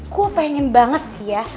gue pengen banget sih ya